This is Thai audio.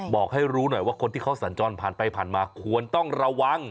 บอกให้รู้หน่อยว่าคนที่เขาสัญจรผ่านไปผ่านมาควรต้องระวัง